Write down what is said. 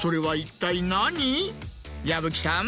矢吹さん